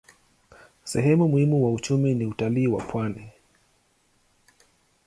Sehemu muhimu wa uchumi ni utalii ya pwani.